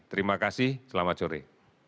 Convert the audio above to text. terima kasih selamat sore